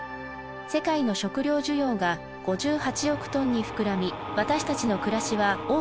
世界の食料需要が５８億トンに膨らみ私たちの暮らしは大きく変わりました。